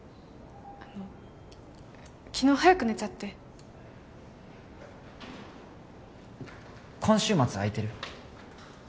あの昨日早く寝ちゃって今週末空いてる？